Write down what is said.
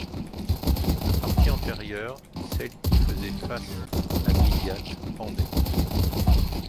La partie antérieure, celle qui faisait face à Gilliatt, pendait.